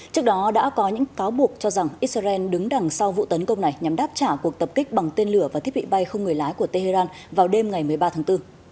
trước đó đã có những cáo buộc cho rằng israel đứng đằng sau vụ tấn công này nhằm đáp trả cuộc tập kích bằng tên lửa và thiết bị bay không người lái của tehran vào đêm ngày một mươi ba tháng bốn